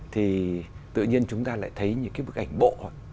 thì tự nhiên chúng ta lại thấy những bức ảnh bộ